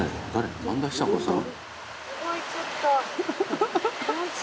萬田久子さん？」